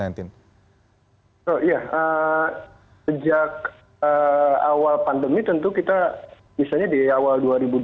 oh iya sejak awal pandemi tentu kita misalnya di awal dua ribu dua puluh